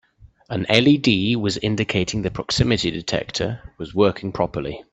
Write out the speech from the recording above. An LED was indicating the proximity detector was working properly.